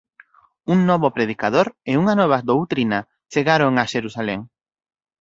Un novo predicador e unha nova doutrina chegaron a Xerusalén.